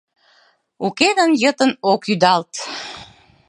Уке гын йытын ок ӱдалт.